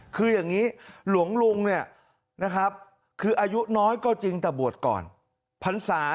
คืออย่างนี้หลวงลุงเนี่ยนะครับคืออายุน้อยก็จริงแต่บวชก่อนพรรษา